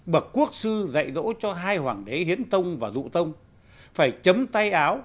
bậc quốc sư dạy dỗ cho hai hoàng đế hiến tông và dụ tông phải chấm tay áo